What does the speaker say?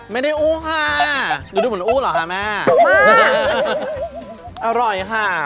ไม่ได้อู้ค่ะอยู่ดูเหมือนอู้เหรอค่ะแม่อู้ค่ะอร่อยค่ะ